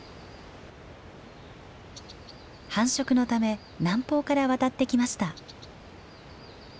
繁殖のため南方から渡ってきました。